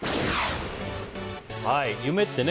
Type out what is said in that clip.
夢ってね